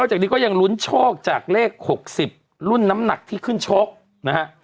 จากนี้ก็ยังลุ้นโชคจากเลข๖๐รุ่นน้ำหนักที่ขึ้นชกนะฮะ